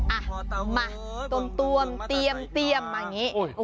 อ่ะมาตวมเตรียมมาอย่างนี้